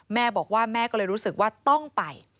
แม่บอกว่าแม่ก็เลยรู้สึกว่าต้องไป